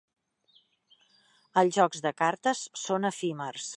Els jocs de cartes són efímers.